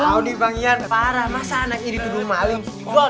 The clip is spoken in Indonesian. aww nih bang iyan parah masa anak ini tuduh maling